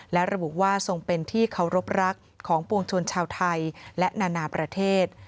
และระบุว่าทรงเป็นที่เคารพรักของปวงชนชาวไทยและนานาประเทศ